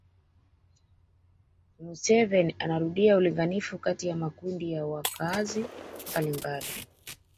Museveni anarudia ulinganifu kati ya makundi ya wakaazi mbalimbali